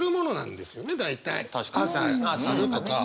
朝するとか。